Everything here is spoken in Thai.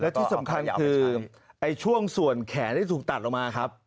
ที่สำคัญคือช่วงส่วนแขนที่ถูกตัดออกมาครับ